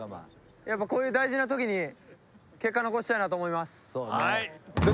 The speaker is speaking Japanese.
やっぱこういう大事な時に結果残したいなと思います。